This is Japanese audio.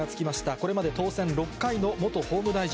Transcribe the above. これまで当選６回の元法務大臣。